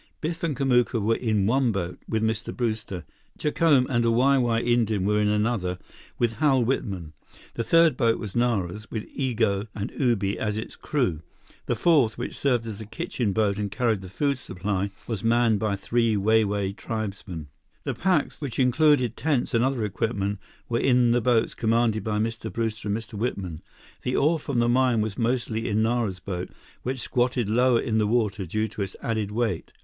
Biff and Kamuka were in one boat with Mr. Brewster. Jacome and a Wai Wai Indian were in another with Hal Whitman. The third boat was Nara's, with Igo and Ubi as its crew. The fourth, which served as a kitchen boat and carried the food supply, was manned by three Wai Wai tribesmen. The packs, which included tents and other equipment, were in the boats commanded by Mr. Brewster and Mr. Whitman. The ore from the mine was mostly in Nara's boat, which squatted lower in the water due to its added weight.